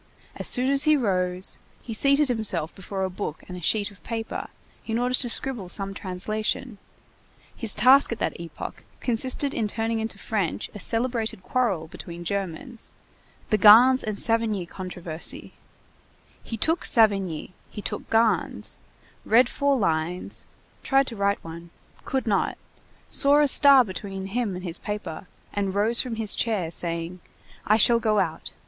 As soon as he rose, he seated himself before a book and a sheet of paper in order to scribble some translation; his task at that epoch consisted in turning into French a celebrated quarrel between Germans, the Gans and Savigny controversy; he took Savigny, he took Gans, read four lines, tried to write one, could not, saw a star between him and his paper, and rose from his chair, saying: "I shall go out.